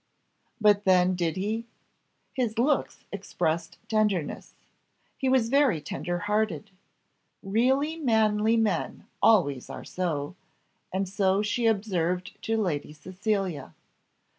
But then did he? His looks expressed tenderness. He was very tender hearted. Really manly men always are so; and so she observed to Lady Cecilia.